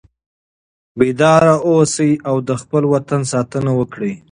بیدار اوسئ او د خپل وطن ساتنه وکړئ.